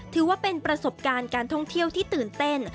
ถือว่าเป็นประสบการณ์การท่องเที่ยวที่ตื่นเต้น